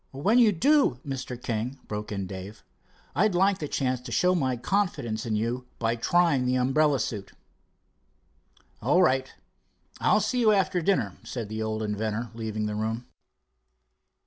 "When you do, Mr. King," broke in Dave, "I'd like a chance to show my confidence in you by trying the umbrella suit." "All right. I'm to see you after dinner," said the old inventor leaving the room.